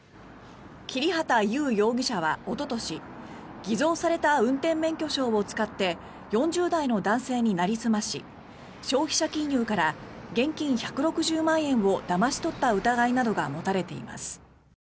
切畑悠容疑者はおととし偽造された運転免許証を使って４０代の男性になりすまし消費者金融から現金１６０万円をだまし取った疑いなどが持たれています。